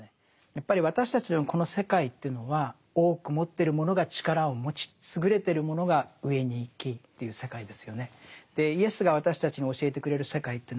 やっぱり私たちのこの世界というのは多く持ってる者が力を持ち優れてる者が上に行きという世界ですよね。